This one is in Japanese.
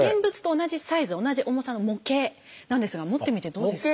同じ重さの模型なんですが持ってみてどうですか？